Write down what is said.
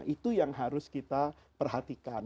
itu yang harus kita perhatikan